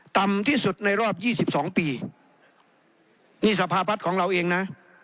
ต่ำที่สุดในรอบ๒๒ปีนี่สภาพัฒน์ของเราเองนะ